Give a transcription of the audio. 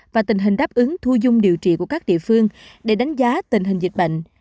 và tình hình đáp ứng thu dung điều trị của các địa phương để đánh giá tình hình dịch bệnh